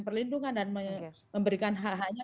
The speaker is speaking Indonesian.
perlindungan dan memberikan hak haknya